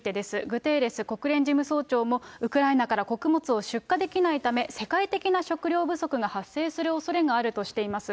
グテーレス国連事務総長も、ウクライナから穀物を出荷できないため、世界的な食糧不足が発生するおそれがあるとしています。